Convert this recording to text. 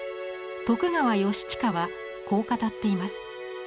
徳川義親はこう語っています。